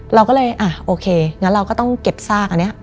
เราก็เลยอ่ะโอเคงั้นเราก็ต้องเก็บซากอันนี้